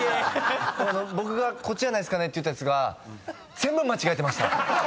僕がこっちじゃないっすかねって言ったやつが全部間違えてました。